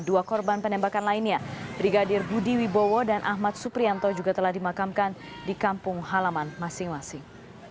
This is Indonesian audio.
dua korban penembakan lainnya brigadir budi wibowo dan ahmad suprianto juga telah dimakamkan di kampung halaman masing masing